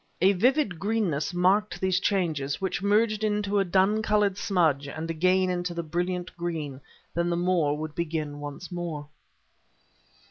A vivid greenness marked these changes, which merged into a dun colored smudge and again into the brilliant green; then the moor would begin once more.